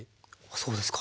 そうですか。